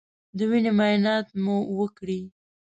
د وینې معاینات مو وکړی